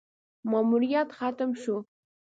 ماموریت ختم شو: